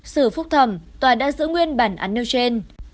xử phúc thẩm tòa đã giữ nguyên bản án nêu trên